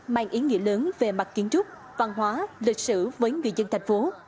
mang ý nghĩa lớn về mặt kiến trúc văn hóa lịch sử với người dân thành phố